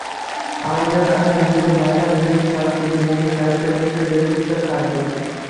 আমাদের আছে নিজেদের ভাষা, নিজেদের সংস্কৃতি, নিজেদের সাহিত্য, নিজেদের বেশভূষা, খাদ্য।